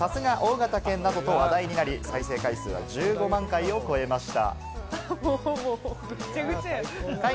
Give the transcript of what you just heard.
さすが大型犬。などと話題になり再生回数は１５万回を超えました。